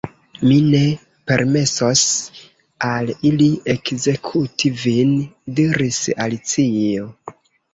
"Mi ne permesos al ili ekzekuti vin," diris Alicio.